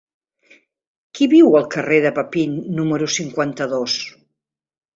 Qui viu al carrer de Papin número cinquanta-dos?